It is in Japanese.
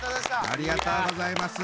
ありがとうございます。